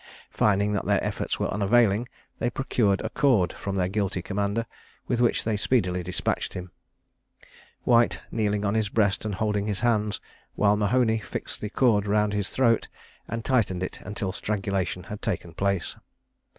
Finding that their efforts were unavailing, they procured a cord from their guilty commander, with which they speedily despatched him; White kneeling on his breast and holding his hands, while Mahony fixed the cord round his throat, and tightened it until strangulation had taken place.